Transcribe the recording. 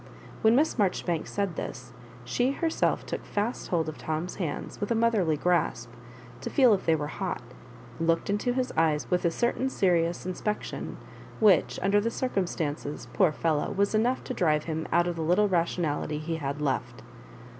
When Miss Marjori banks said this, she herself took fast hold of Tom's hands with a motherly grasp to feel if they were hot, and looked into his eyes with a cer tain serious inspection, which, under the circum stances, poor fellow 1 was enough to drive him out of tlie little rationality he had left.